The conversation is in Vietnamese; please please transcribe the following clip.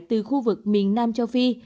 từ khu vực miền nam châu phi